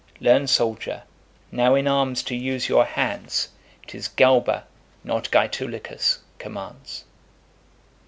Learn, soldier, now in arms to use your hands, 'Tis Galba, not Gaetulicus, commands.